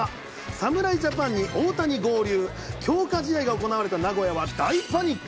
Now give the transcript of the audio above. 侍ジャパンに大谷合流、強化試合が行われた名古屋は大パニック。